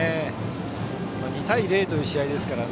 ２対０という試合ですから。